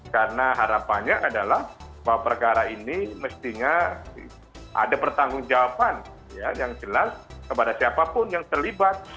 karena harapannya adalah bahwa perkara ini mestinya ada pertanggung jawaban yang jelas kepada siapapun yang terlibat